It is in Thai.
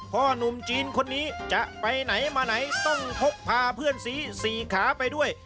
พ่อหนุ่มจีนคนนี้ต้องหกพาเพื่อนสี๔ขาไปด้วย